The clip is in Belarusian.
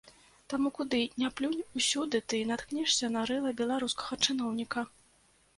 Таму куды не плюнь, усюды ты наткнешся на рыла беларускага чыноўніка.